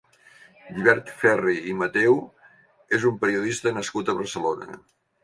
Llibert Ferri i Mateo és un periodista nascut a Barcelona.